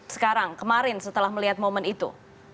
sekarang kemarin setelah melihat momen itu